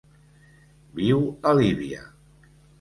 Viu a Líbia.